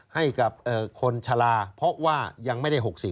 ให้กับคนชะลาเพราะว่ายังไม่ได้๖๐